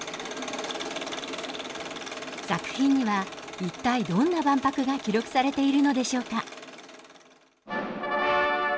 作品には一体どんな万博が記録されているのでしょうか。